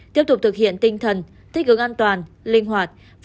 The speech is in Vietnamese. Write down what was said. tiếp tục thực hiện tinh thần thích ứng an toàn linh hoạt